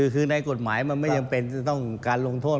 คือในกฎหมายมันไม่จำเป็นจะต้องการลงโทษ